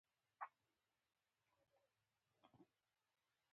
حاجي ګک په اسیا کې د وسپنې تر ټولو لوی کان دی.